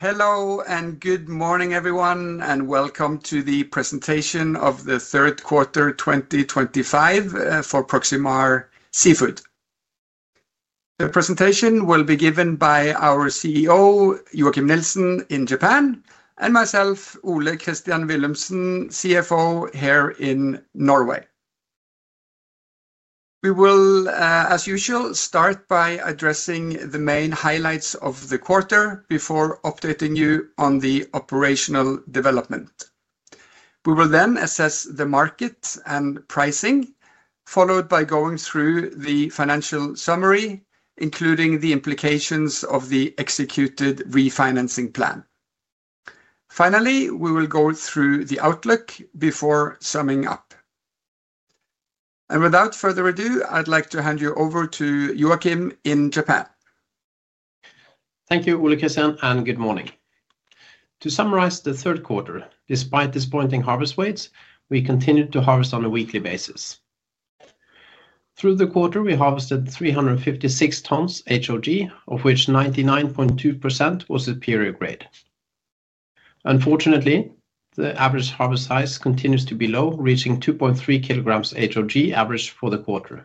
Hello and good morning, everyone, and welcome to the presentation of the third quarter 2025 for Proximar Seafood. The presentation will be given by our CEO, Joachim Nielsen in Japan, and myself, Ole Christian Willumsen, CFO here in Norway. We will, as usual, start by addressing the main highlights of the quarter before updating you on the operational development. We will then assess the market and pricing, followed by going through the financial summary, including the implications of the executed refinancing plan. Finally, we will go through the outlook before summing up. Without further ado, I'd like to hand you over to Joachim in Japan. Thank you, Ole Christian, and good morning. To summarize the third quarter, despite disappointing harvest weights, we continued to harvest on a weekly basis. Through the quarter, we harvested 356 tons HOG, of which 99.2% was superior grade. Unfortunately, the average harvest size continues to be low, reaching 2.3 kg HOG average for the quarter.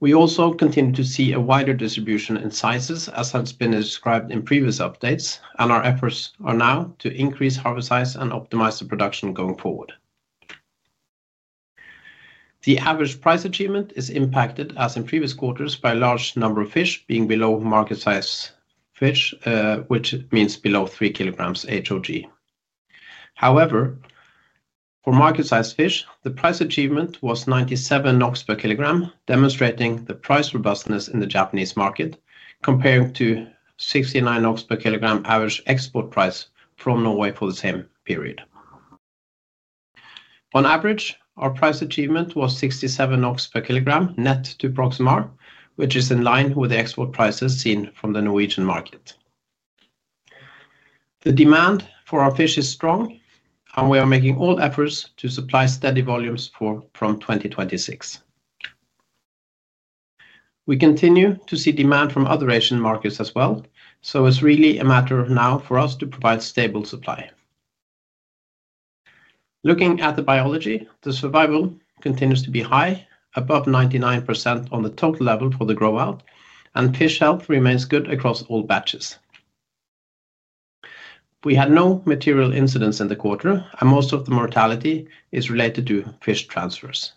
We also continue to see a wider distribution in sizes, as has been described in previous updates, and our efforts are now to increase harvest size and optimize the production going forward. The average price achievement is impacted, as in previous quarters, by a large number of fish being below market-sized fish, which means below 3 kg HOG. However, for market-sized fish, the price achievement was 97 NOK per kilogram, demonstrating the price robustness in the Japanese market, compared to 69 NOK per kilogram average export price from Norway for the same period. On average, our price achievement was 67 per kilogram net to Proximar, which is in line with the export prices seen from the Norwegian market. The demand for our fish is strong, and we are making all efforts to supply steady volumes from 2026. We continue to see demand from other Asian markets as well, so it's really a matter now for us to provide stable supply. Looking at the biology, the survival continues to be high, above 99% on the total level for the grow-out, and fish health remains good across all batches. We had no material incidents in the quarter, and most of the mortality is related to fish transfers.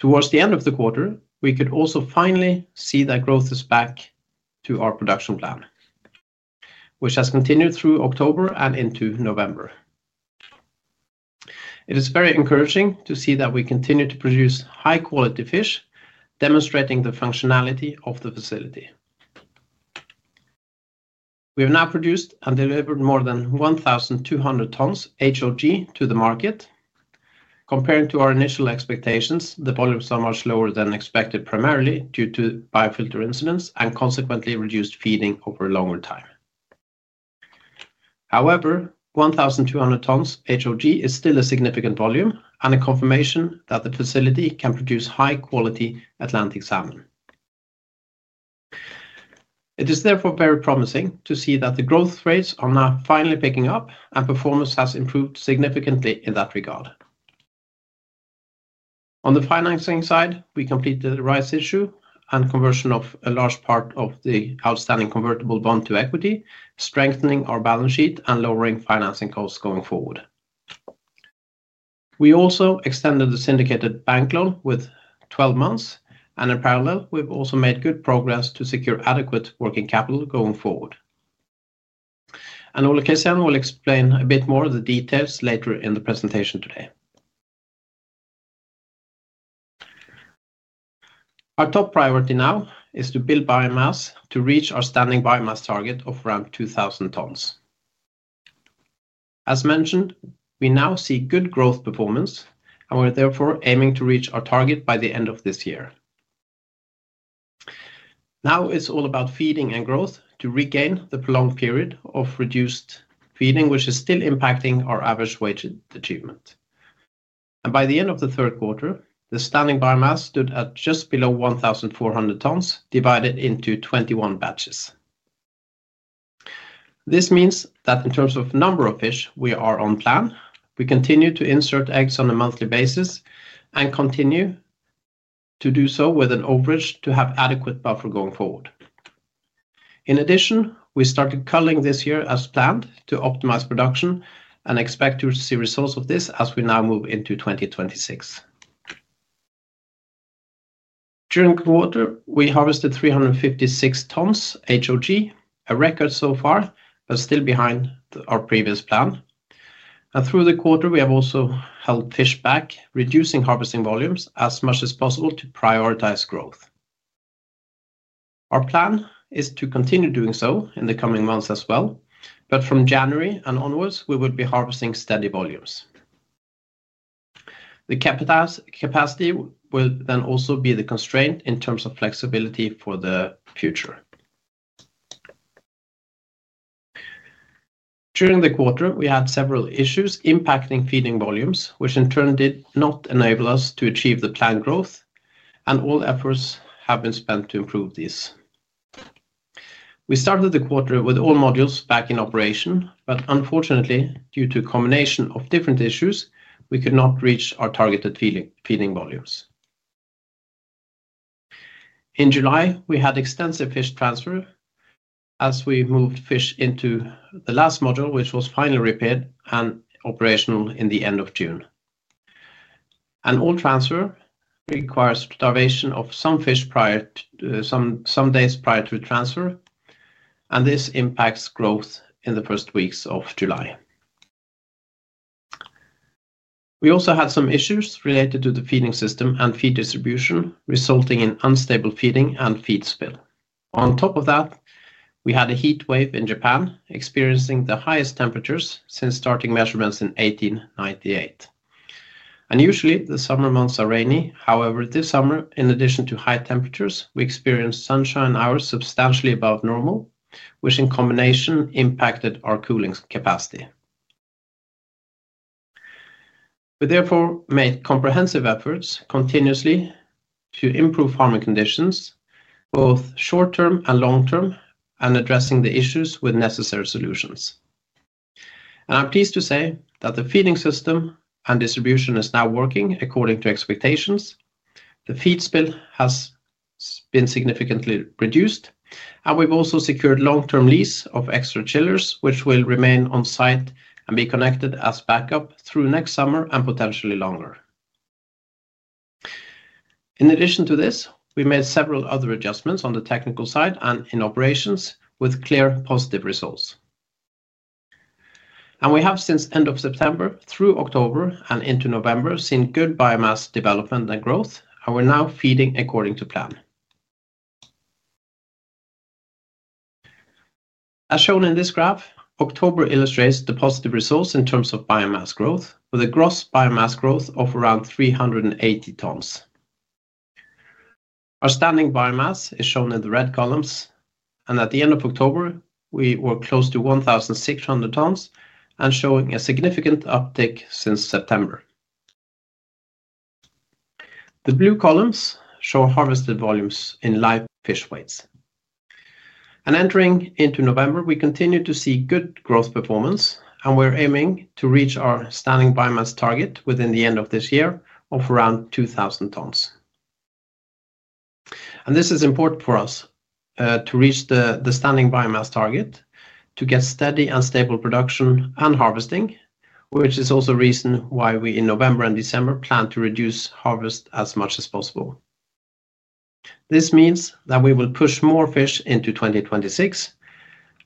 Towards the end of the quarter, we could also finally see that growth is back to our production plan, which has continued through October and into November. It is very encouraging to see that we continue to produce high-quality fish, demonstrating the functionality of the facility. We have now produced and delivered more than 1,200 tons HOG to the market. Comparing to our initial expectations, the volumes are much lower than expected, primarily due to biofilter incidents and consequently reduced feeding over a longer time. However, 1,200 tons HOG is still a significant volume and a confirmation that the facility can produce high-quality Atlantic salmon. It is therefore very promising to see that the growth rates are now finally picking up, and performance has improved significantly in that regard. On the financing side, we completed the RISE issue and conversion of a large part of the outstanding convertible bond to equity, strengthening our balance sheet and lowering financing costs going forward. We also extended the syndicated bank loan with 12 months, and in parallel, we've also made good progress to secure adequate working capital going forward. Ole Christian will explain a bit more of the details later in the presentation today. Our top priority now is to build biomass to reach our standing biomass target of around 2,000 tons. As mentioned, we now see good growth performance, and we're therefore aiming to reach our target by the end of this year. Now it's all about feeding and growth to regain the prolonged period of reduced feeding, which is still impacting our average weight achievement. By the end of the third quarter, the standing biomass stood at just below 1,400 tons divided into 21 batches. This means that in terms of number of fish we are on plan, we continue to insert eggs on a monthly basis and continue to do so with an overage to have adequate buffer going forward. In addition, we started culling this year as planned to optimize production and expect to see results of this as we now move into 2026. During the quarter, we harvested 356 tons HOG, a record so far, but still behind our previous plan. Through the quarter, we have also held fish back, reducing harvesting volumes as much as possible to prioritize growth. Our plan is to continue doing so in the coming months as well, but from January and onwards, we would be harvesting steady volumes. The capacity will then also be the constraint in terms of flexibility for the future. During the quarter, we had several issues impacting feeding volumes, which in turn did not enable us to achieve the planned growth, and all efforts have been spent to improve these. We started the quarter with all modules back in operation, but unfortunately, due to a combination of different issues, we could not reach our targeted feeding volumes. In July, we had extensive fish transfer as we moved fish into the last module, which was finally repaired and operational in the end of June. All transfer requires starvation of some fish some days prior to transfer, and this impacts growth in the first weeks of July. We also had some issues related to the feeding system and feed distribution, resulting in unstable feeding and feed spill. On top of that, we had a heat wave in Japan, experiencing the highest temperatures since starting measurements in 1898. Usually, the summer months are rainy. However, this summer, in addition to high temperatures, we experienced sunshine hours substantially above normal, which in combination impacted our cooling capacity. We therefore made comprehensive efforts continuously to improve farming conditions, both short-term and long-term, and addressing the issues with necessary solutions. I'm pleased to say that the feeding system and distribution is now working according to expectations. The feed spill has been significantly reduced, and we've also secured long-term lease of extra chillers, which will remain on site and be connected as backup through next summer and potentially longer. In addition to this, we made several other adjustments on the technical side and in operations with clear positive results. We have since the end of September through October and into November seen good biomass development and growth, and we're now feeding according to plan. As shown in this graph, October illustrates the positive results in terms of biomass growth, with a gross biomass growth of around 380 tons. Our standing biomass is shown in the red columns, and at the end of October, we were close to 1,600 tons and showing a significant uptick since September. The blue columns show harvested volumes in live fish weights. Entering into November, we continue to see good growth performance, and we're aiming to reach our standing biomass target within the end of this year of around 2,000 tons. This is important for us to reach the standing biomass target to get steady and stable production and harvesting, which is also a reason why we in November and December plan to reduce harvest as much as possible. This means that we will push more fish into 2026,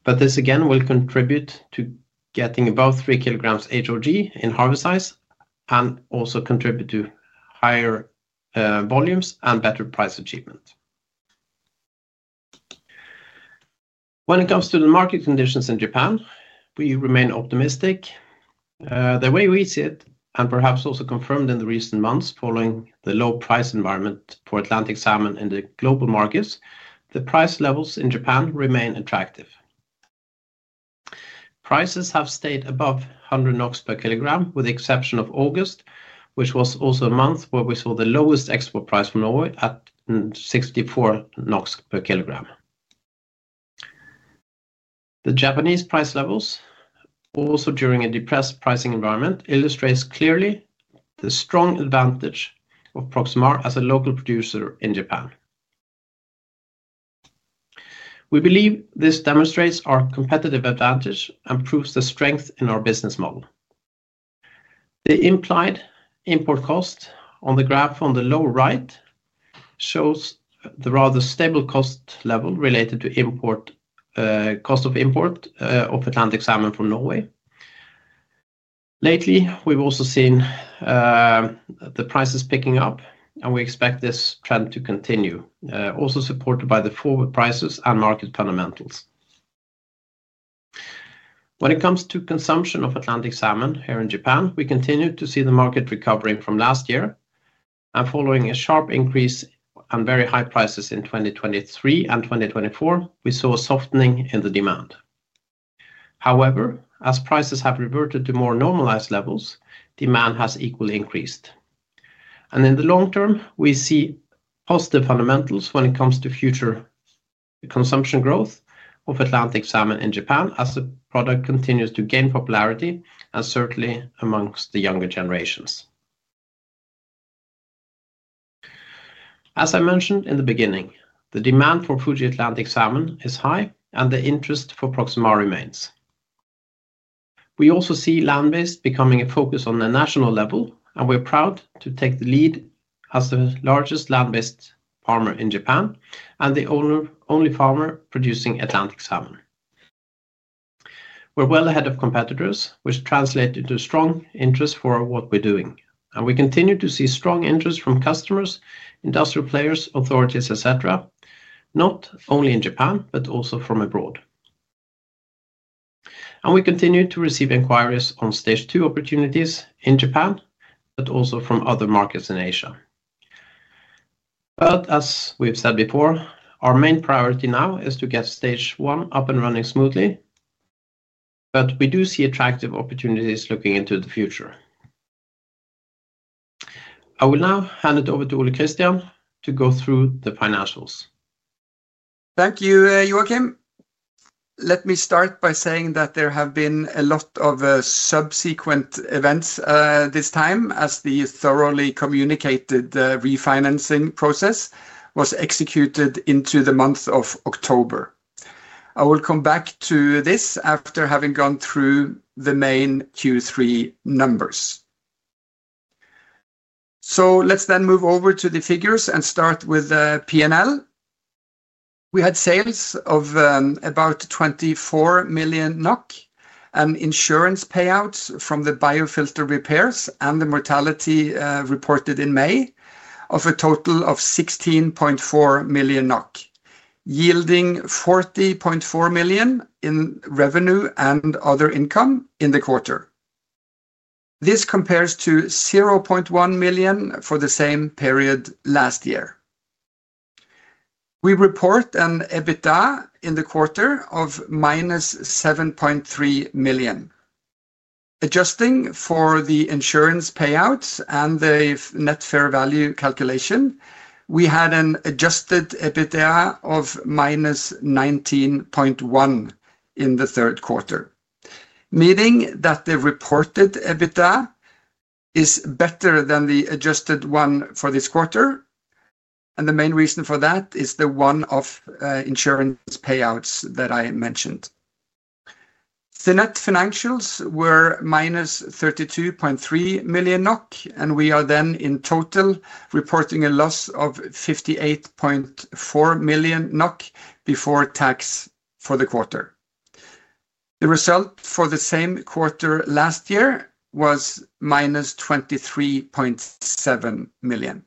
but this again will contribute to getting above 3 kg HOG in harvest size and also contribute to higher volumes and better price achievement. When it comes to the market conditions in Japan, we remain optimistic. The way we see it, and perhaps also confirmed in the recent months following the low price environment for Atlantic salmon in the global markets, the price levels in Japan remain attractive. Prices have stayed above 100 NOK per kilogram, with the exception of August, which was also a month where we saw the lowest export price from Norway at 64 NOK per kilogram. The Japanese price levels, also during a depressed pricing environment, illustrate clearly the strong advantage of Proximar as a local producer in Japan. We believe this demonstrates our competitive advantage and proves the strength in our business model. The implied import cost on the graph on the lower right shows the rather stable cost level related to cost of import of Atlantic salmon from Norway. Lately, we've also seen the prices picking up, and we expect this trend to continue, also supported by the forward prices and market fundamentals. When it comes to consumption of Atlantic salmon here in Japan, we continue to see the market recovering from last year. Following a sharp increase and very high prices in 2023 and 2024, we saw a softening in the demand. However, as prices have reverted to more normalized levels, demand has equally increased. In the long term, we see positive fundamentals when it comes to future consumption growth of Atlantic salmon in Japan as the product continues to gain popularity, certainly amongst the younger generations. As I mentioned in the beginning, the demand for Fuji Atlantic salmon is high, and the interest for Proximar remains. We also see land-based becoming a focus on the national level, and we're proud to take the lead as the largest land-based farmer in Japan and the only farmer producing Atlantic salmon. We're well ahead of competitors, which translates to strong interest for what we're doing. We continue to see strong interest from customers, industrial players, authorities, etc., not only in Japan but also from abroad. We continue to receive inquiries on stage two opportunities in Japan, but also from other markets in Asia. As we've said before, our main priority now is to get stage one up and running smoothly, but we do see attractive opportunities looking into the future. I will now hand it over to Ole Christian to go through the financials. Thank you, Joachim. Let me start by saying that there have been a lot of subsequent events this time as the thoroughly communicated refinancing process was executed into the month of October. I will come back to this after having gone through the main Q3 numbers. Let's then move over to the figures and start with the P&L. We had sales of about 24 million NOK and insurance payouts from the biofilter repairs and the mortality reported in May of a total of 16.4 million NOK, yielding 40.4 million in revenue and other income in the quarter. This compares to 0.1 million for the same period last year. We report an EBITDA in the quarter of -7.3 million. Adjusting for the insurance payouts and the net fair value calculation, we had an Adjusted EBITDA of -19.1 million in the third quarter, meaning that the Reported EBITDA is better than the adjusted one for this quarter. The main reason for that is the one-off insurance payouts that I mentioned. The net financials were -32.3 million NOK, and we are then in total reporting a loss of 58.4 million NOK before tax for the quarter. The result for the same quarter last year was -23.7 million.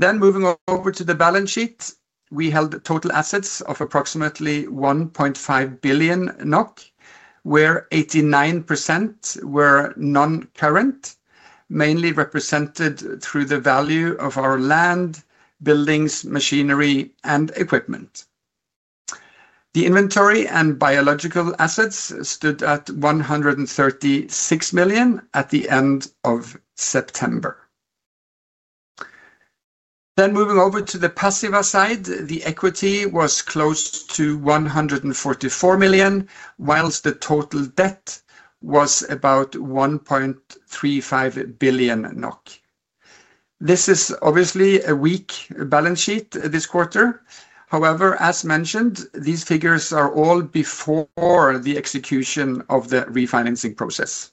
Moving over to the balance sheet, we held total assets of approximately 1.5 billion NOK, where 89% were non-current, mainly represented through the value of our land, buildings, machinery, and equipment. The inventory and biological assets stood at 136 million at the end of September. Moving over to the passiva side, the equity was close to 144 million, whilst the total debt was about 1.35 billion NOK. This is obviously a weak balance sheet this quarter. However, as mentioned, these figures are all before the execution of the refinancing process.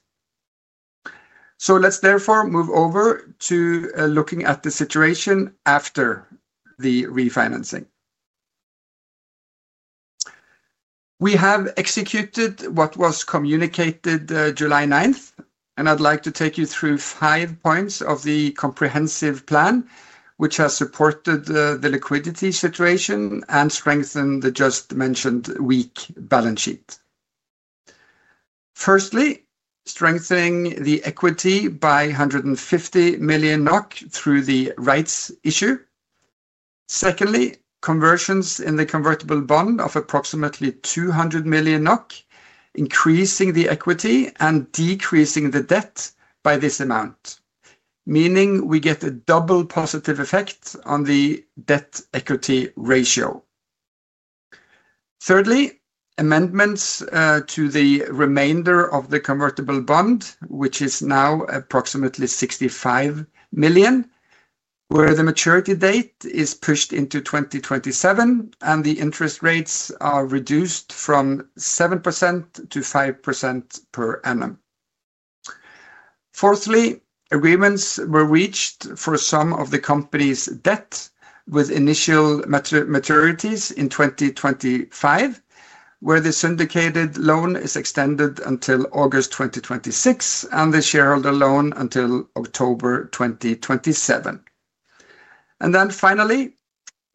Let's therefore move over to looking at the situation after the refinancing. We have executed what was communicated July 9th, and I'd like to take you through five points of the comprehensive plan, which has supported the liquidity situation and strengthened the just mentioned weak balance sheet. Firstly, strengthening the equity by 150 million NOK through the rights issue. Secondly, conversions in the convertible bond of approximately 200 million NOK, increasing the equity and decreasing the debt by this amount, meaning we get a double positive effect on the debt-equity ratio. Thirdly, amendments to the remainder of the convertible bond, which is now approximately 65 million, where the maturity date is pushed into 2027 and the interest rates are reduced from 7% to 5% per annum. Fourthly, agreements were reached for some of the company's debt with initial maturities in 2025, where the syndicated loan is extended until August 2026 and the shareholder loan until October 2027. Finally,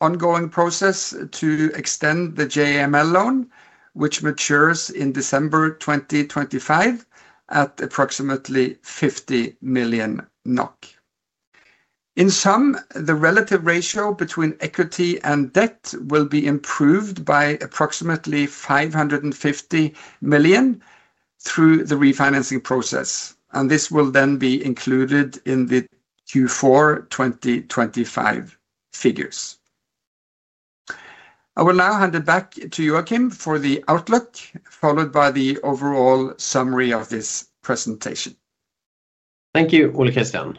ongoing process to extend the JAML loan, which matures in December 2025 at approximately 50 million NOK. In sum, the relative ratio between equity and debt will be improved by approximately 550 million through the refinancing process, and this will then be included in the Q4 2025 figures. I will now hand it back to Joachim for the outlook, followed by the overall summary of this presentation. Thank you, Ole Christian.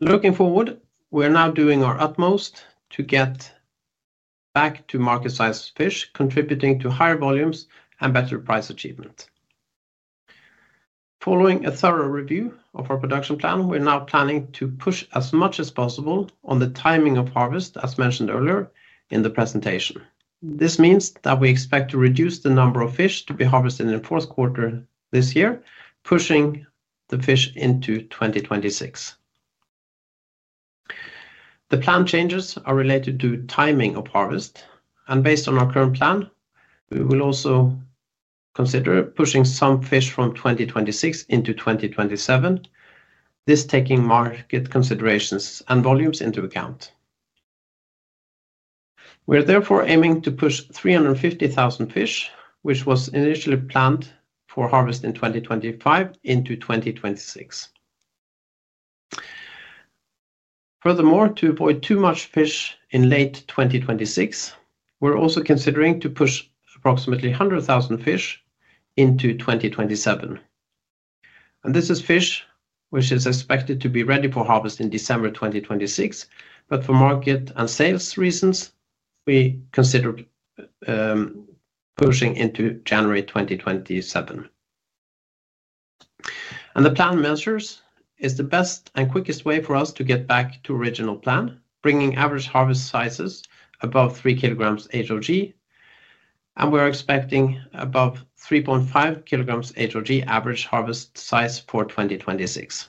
Looking forward, we are now doing our utmost to get back to market-sized fish, contributing to higher volumes and better price achievement. Following a thorough review of our production plan, we're now planning to push as much as possible on the timing of harvest, as mentioned earlier in the presentation. This means that we expect to reduce the number of fish to be harvested in the fourth quarter this year, pushing the fish into 2026. The plan changes are related to timing of harvest, and based on our current plan, we will also consider pushing some fish from 2026 into 2027, this taking market considerations and volumes into account. We are therefore aiming to push 350,000 fish, which was initially planned for harvest in 2025, into 2026. Furthermore, to avoid too much fish in late 2026, we're also considering to push approximately 100,000 fish into 2027. This is fish which is expected to be ready for harvest in December 2026, but for market and sales reasons, we consider pushing into January 2027. The plan measures is the best and quickest way for us to get back to the original plan, bringing average harvest sizes above 3 kg HOG, and we are expecting above 3.5 kg HOG average harvest size for 2026.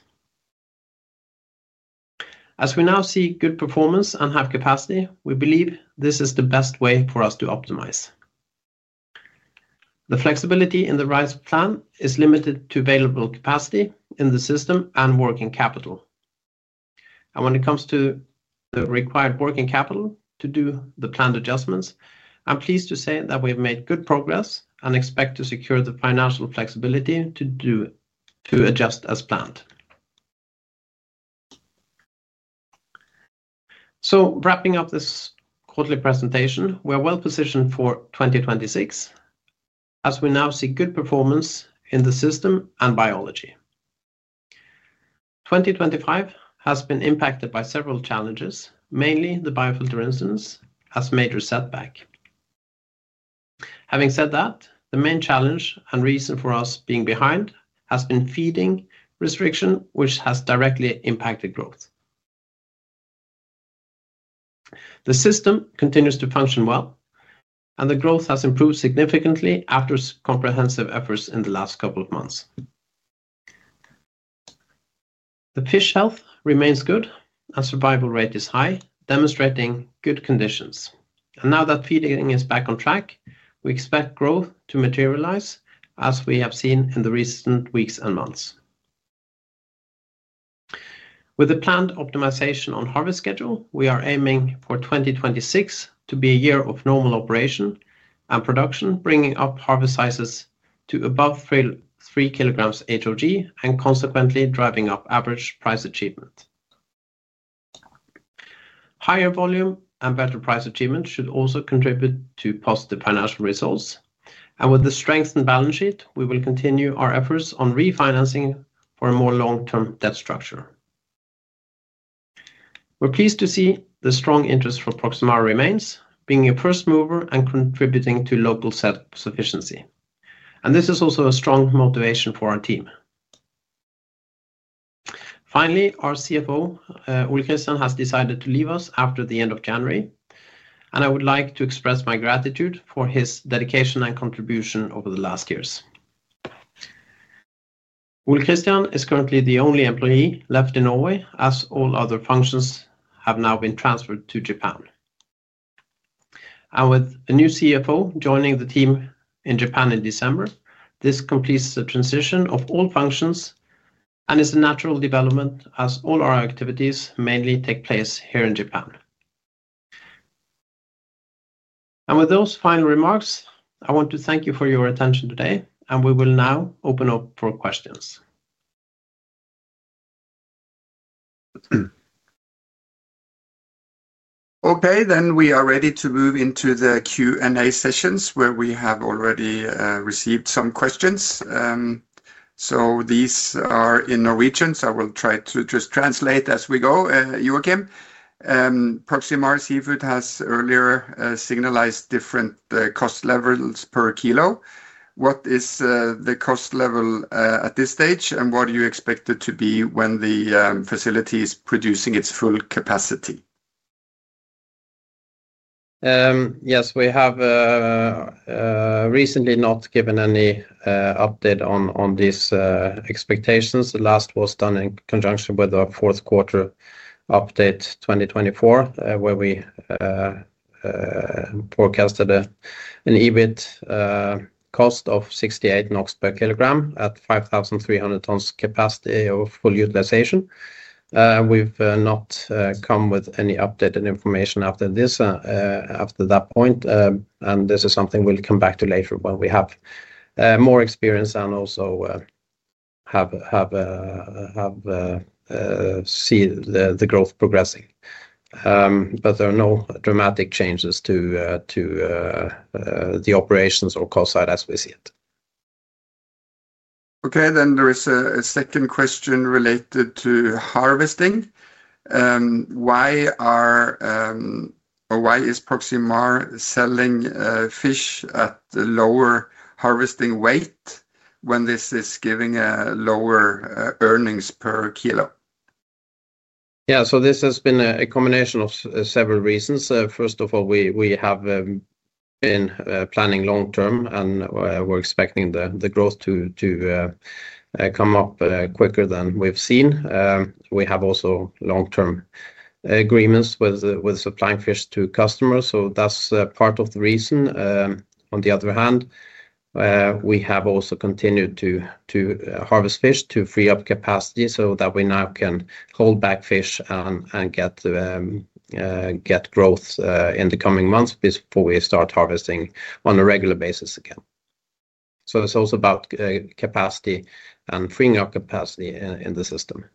As we now see good performance and have capacity, we believe this is the best way for us to optimize. The flexibility in the rights plan is limited to available capacity in the system and working capital. When it comes to the required working capital to do the planned adjustments, I'm pleased to say that we have made good progress and expect to secure the financial flexibility to adjust as planned. Wrapping up this quarterly presentation, we are well positioned for 2026 as we now see good performance in the system and biology. 2025 has been impacted by several challenges, mainly the biofilter incidents as a major setback. Having said that, the main challenge and reason for us being behind has been feeding restriction, which has directly impacted growth. The system continues to function well, and the growth has improved significantly after comprehensive efforts in the last couple of months. The fish health remains good, and survival rate is high, demonstrating good conditions. Now that feeding is back on track, we expect growth to materialize as we have seen in the recent weeks and months. With the planned optimization on harvest schedule, we are aiming for 2026 to be a year of normal operation and production, bringing up harvest sizes to above 3 kg HOG and consequently driving up average price achievement. Higher volume and better price achievement should also contribute to positive financial results. With the strengthened balance sheet, we will continue our efforts on refinancing for a more long-term debt structure. We are pleased to see the strong interest for Proximar remains, being a first mover and contributing to local set sufficiency. This is also a strong motivation for our team. Finally, our CFO, Ole Christian, has decided to leave us after the end of January, and I would like to express my gratitude for his dedication and contribution over the last years. Ole Christian is currently the only employee left in Norway, as all other functions have now been transferred to Japan. With a new CFO joining the team in Japan in December, this completes the transition of all functions and is a natural development as all our activities mainly take place here in Japan. With those final remarks, I want to thank you for your attention today, and we will now open up for questions. Okay, we are ready to move into the Q&A sessions where we have already received some questions. These are in Norwegian, so I will try to just translate as we go. Joachim, Proximar Seafood has earlier signalized different cost levels per kilo. What is the cost level at this stage, and what are you expected to be when the facility is producing its full capacity? Yes, we have recently not given any update on these expectations. The last was done in conjunction with our fourth quarter update 2024, where we forecasted an EBIT cost of 68 NOK per kilogram at 5,300 tons capacity of full utilization. We've not come with any updated information after that point, and this is something we'll come back to later when we have more experience and also have seen the growth progressing. There are no dramatic changes to the operations or cost side as we see it. Okay, then there is a second question related to harvesting. Why is Proximar selling fish at a lower harvesting weight when this is giving lower earnings per kilo? Yeah, so this has been a combination of several reasons. First of all, we have been planning long term, and we're expecting the growth to come up quicker than we've seen. We have also long-term agreements with supplying fish to customers, so that's part of the reason. On the other hand, we have also continued to harvest fish to free up capacity so that we now can hold back fish and get growth in the coming months before we start harvesting on a regular basis again. It is also about capacity and freeing up capacity in the system.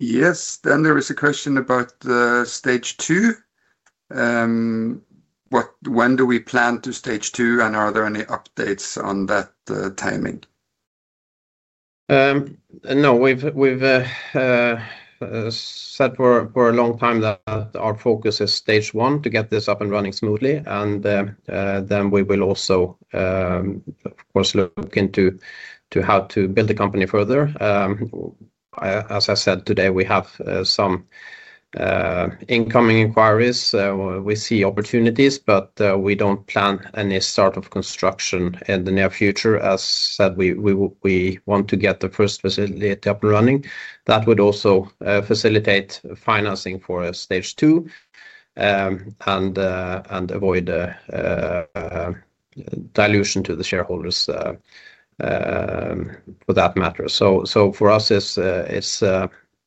Yes, then there is a question about stage two. When do we plan to stage two, and are there any updates on that timing? No, we've said for a long time that our focus is stage one to get this up and running smoothly, and then we will also, of course, look into how to build the company further. As I said today, we have some incoming inquiries. We see opportunities, but we don't plan any start of construction in the near future. As I said, we want to get the first facility up and running. That would also facilitate financing for stage two and avoid dilution to the shareholders for that matter. For us,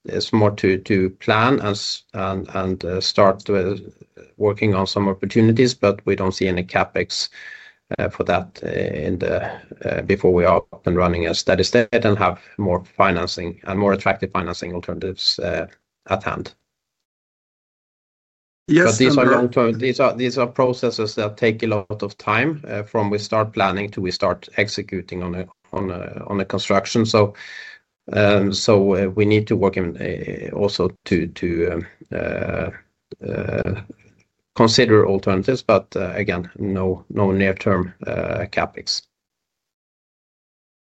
it's more to plan and start working on some opportunities, but we don't see any CapEx for that before we are up and running a steady state and have more financing and more attractive financing alternatives at hand. Yes, but these are long-term. These are processes that take a lot of time from we start planning to we start executing on the construction. We need to work also to consider alternatives, but again, no near-term CapEx.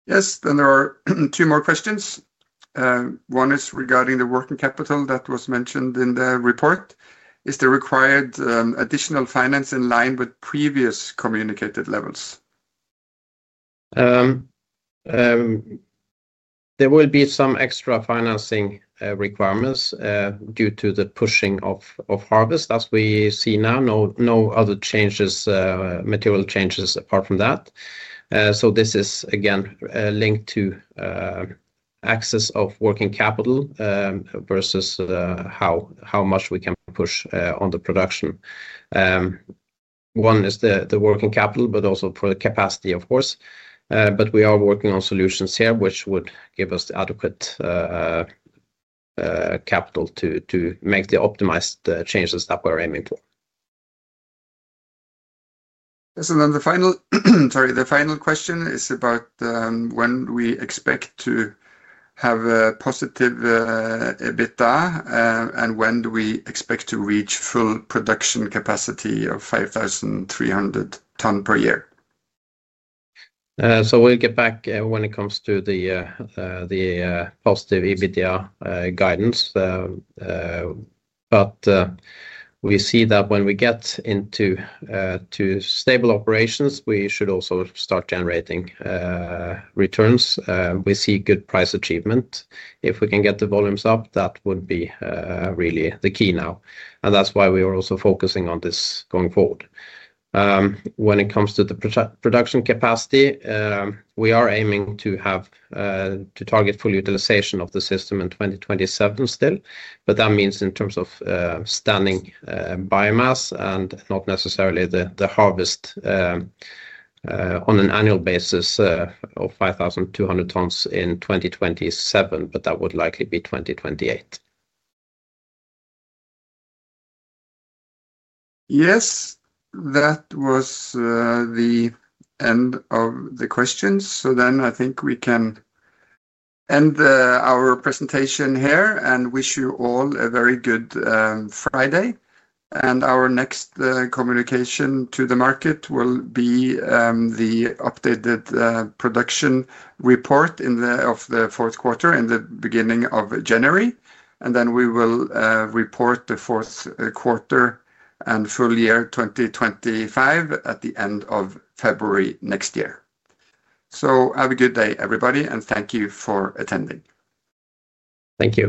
Yes, then there are two more questions. One is regarding the working capital that was mentioned in the report. Is there required additional finance in line with previous communicated levels? There will be some extra financing requirements due to the pushing of harvest as we see now. No other material changes apart from that. This is again linked to access of working capital versus how much we can push on the production. One is the working capital, but also for the capacity, of course. We are working on solutions here which would give us the adequate capital to make the optimized changes that we're aiming for. Yes, and then the final, sorry, the final question is about when we expect to have a positive EBITDA and when do we expect to reach full production capacity of 5,300 tons per year. We will get back when it comes to the positive EBITDA guidance. We see that when we get into stable operations, we should also start generating returns. We see good price achievement. If we can get the volumes up, that would be really the key now. That is why we are also focusing on this going forward. When it comes to the production capacity, we are aiming to target full utilization of the system in 2027 still, but that means in terms of standing biomass and not necessarily the harvest on an annual basis of 5,200 tons in 2027, but that would likely be 2028. Yes, that was the end of the questions. I think we can end our presentation here and wish you all a very good Friday. Our next communication to the market will be the updated production report of the fourth quarter in the beginning of January. We will report the fourth quarter and full year 2025 at the end of February next year. Have a good day, everybody, and thank you for attending. Thank you.